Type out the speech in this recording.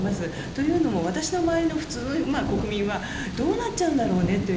というのも私の周りの普通の国民はどうなっちゃうんだろうねと。